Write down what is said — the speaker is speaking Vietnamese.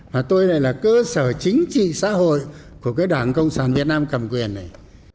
và tôi lại là cơ sở chính trị xã hội của cái đảng cộng sản việt nam cầm quyền này